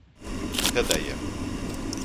cadeia